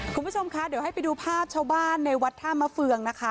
คุณผู้ชมคะเดี๋ยวให้ไปดูภาพชาวบ้านในวัดท่ามะเฟืองนะคะ